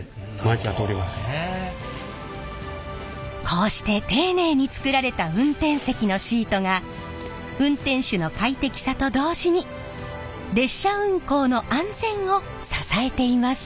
こうして丁寧に作られた運転席のシートが運転手の快適さと同時に列車運行の安全を支えています。